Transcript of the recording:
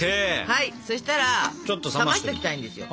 はいそしたら冷ましときたいんですよ。